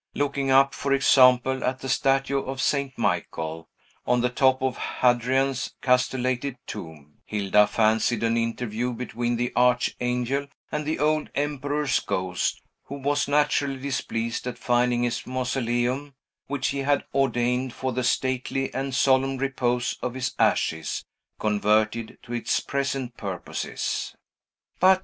Looking up, for example, at the statue of St. Michael, on the top of Hadrian's castellated tomb, Hilda fancied an interview between the Archangel and the old emperor's ghost, who was naturally displeased at finding his mausoleum, which he had ordained for the stately and solemn repose of his ashes, converted to its present purposes.